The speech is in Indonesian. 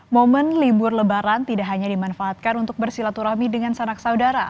momen libur lebaran tidak hanya dimanfaatkan untuk bersilaturahmi dengan sanak saudara